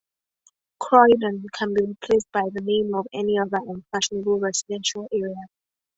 "Croydon" can be replaced by the name of any other unfashionable residential area.